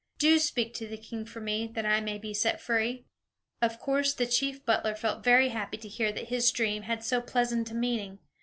Do speak to the king for me, that I may be set free." Of course, the chief butler felt very happy to hear that his dream had so pleasant a meaning.